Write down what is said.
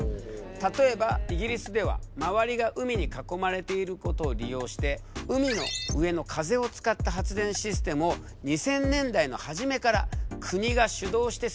例えばイギリスでは周りが海に囲まれていることを利用して海の上の風を使った発電システムを２０００年代の初めから国が主導して進めたんだ。